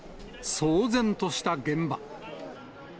騒然とした現場。